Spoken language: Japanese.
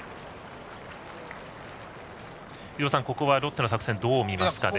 伊東さん、ここはロッテの作戦どうみますか？